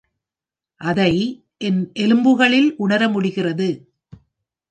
அதை என் எலும்புகளில் உணர முடிகிறது.